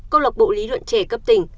công lộc bộ lý luận trẻ cấp tỉnh